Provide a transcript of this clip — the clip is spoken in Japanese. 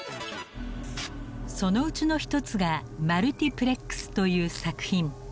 そのうちの１つが「マルティプレックス」という作品。